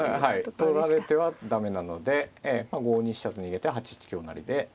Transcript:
取られては駄目なので５二飛車と逃げて８一香成で。